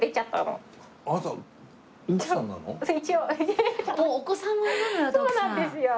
そうなんですよ。